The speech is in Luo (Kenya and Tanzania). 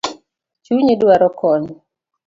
Chunyi dwaro kony